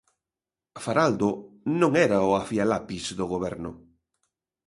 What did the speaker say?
Faraldo non era o afialapis do Goberno.